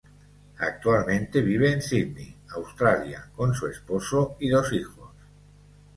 Actualmente vive en Sydney, Australia, con su esposo y dos hijos.